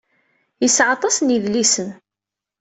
Yesɛa aṭas n yedlisen.